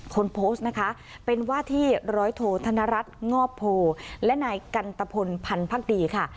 คนโพสต์นะคะเป็นว่าที่ร้อยโทธนรัฐงอบโพและนายกันตะพลพันธ์พักดีค่ะ